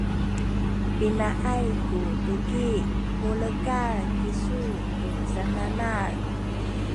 pinaay ku tuki mulekal kisu tu sananal?